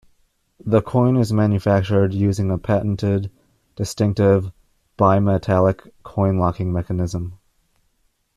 The coin is manufactured using a patented distinctive bimetallic coin-locking mechanism.